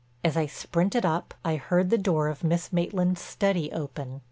As I sprinted up I heard the door of Miss Maitland's study open.